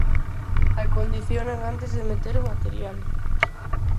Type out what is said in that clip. Acondicionan antes de meter o material.